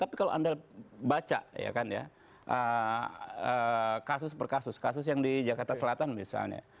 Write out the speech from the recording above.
tapi kalau anda baca ya kan ya kasus per kasus kasus yang di jakarta selatan misalnya